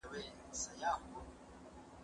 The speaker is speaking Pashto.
زه اجازه لرم چي کتاب واخلم!